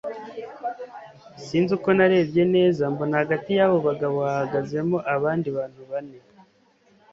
sinzi uko narebye neza mbona hagati yabo bagabo hahagazemo abandi bantu bane